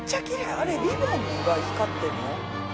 あれリボンが光ってるの？